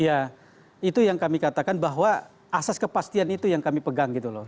ya itu yang kami katakan bahwa asas kepastian itu yang kami pegang gitu loh